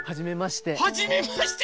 はじめまして。